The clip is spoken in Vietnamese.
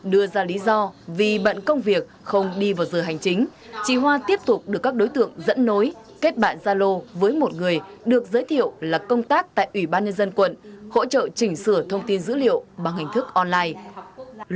đưa ra lý do vì bận công việc không đi vào giờ hành chính chị hoa tiếp tục được các đối tượng dẫn nối kết bạn gia lô với một người được giới thiệu là công tác tại ủy ban nhân dân quận hỗ trợ chỉnh sửa thông tin dữ liệu bằng hình thức online